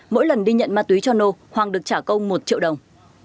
mỗi lần đi nhận ma túy cho nô hoàng được trả công một triệu đồng